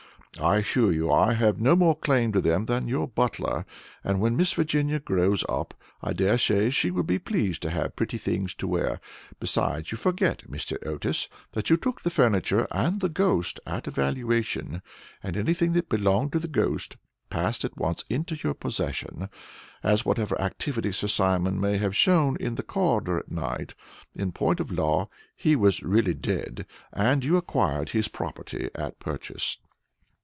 I assure you I have no more claim on them than your butler, and when Miss Virginia grows up, I dare say she will be pleased to have pretty things to wear. Besides, you forget, Mr. Otis, that you took the furniture and the ghost at a valuation, and anything that belonged to the ghost passed at once into your possession, as, whatever activity Sir Simon may have shown in the corridor at night, in point of law he was really dead, and you acquired his property by purchase."